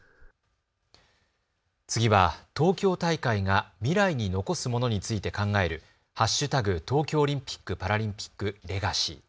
次は東京大会が未来に残すものについて考える＃東京オリンピック・パラリンピックレガシー。